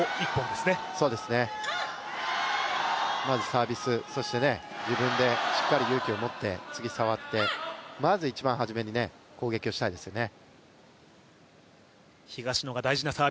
まずサービス、そして自分でしっかり勇気を持って次、触って、まず一番初めに攻撃したいですよね。